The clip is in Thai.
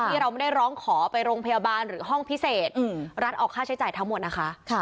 ที่เราไม่ได้ร้องขอไปโรงพยาบาลหรือห้องพิเศษรัฐออกค่าใช้จ่ายทั้งหมดนะคะ